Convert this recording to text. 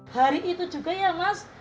hari itu juga ya mas